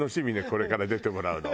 これから出てもらうの。